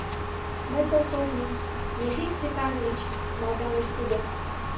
Мый колхозник — Ефим Степанович! — малдалеш тудо».